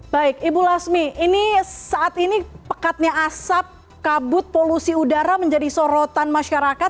baik ibu lasmi ini saat ini pekatnya asap kabut polusi udara menjadi sorotan masyarakat